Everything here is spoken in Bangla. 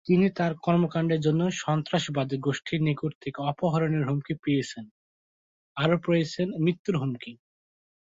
তিনি তার কর্মকাণ্ডের জন্য সন্ত্রাসবাদী গোষ্ঠীর নিকট থেকে অপহরণের হুমকি পেয়েছেন, আরো পেয়েছেন মৃত্যুর হুমকি।